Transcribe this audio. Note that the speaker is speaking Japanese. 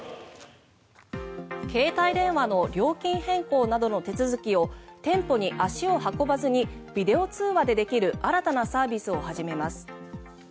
携帯電話の料金変更などの手続きを店舗に足を運ばずにビデオ通話でできる新たなサービスを始めます。